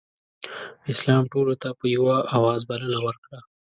اسلام ټولو ته په یوه اواز بلنه ورکړه.